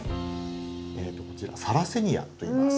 こちらサラセニアといいます。